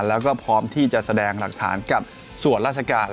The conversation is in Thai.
แล้วก็พร้อมที่จะแสดงหลักฐานกับส่วนราชการ